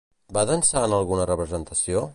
Va dansar en alguna representació?